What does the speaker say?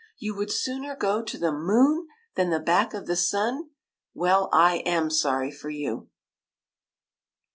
" You would sooner go to the moon than the back of the sun ? Well, I am sorry for you."